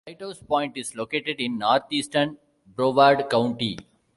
Lighthouse Point is located in northeastern Broward County.